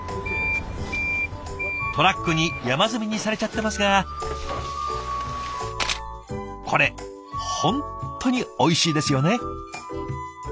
トラックに山積みにされちゃってますがこれ本当においしいですよね。